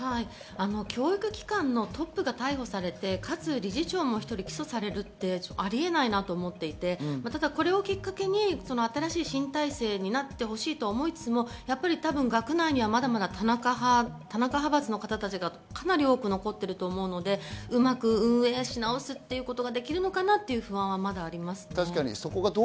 教育機関のトップが逮捕されて、かつ理事長も１人起訴されるというのはありえないなと思っていて、ただこれをきっかけに新しい体制になってほしいと思いつつ、学内にはまだまだ田中派閥の方々が多く残っていると思うので、うまく運営し直すということができるのかなという不安はありますね。